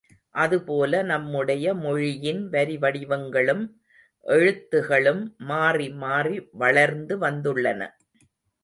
அதுபோல நம்முடைய மொழியின் வரிவடிவங்களும் எழுத்துகளும் மாறி மாறி வளர்ந்து வந்துள்ளன.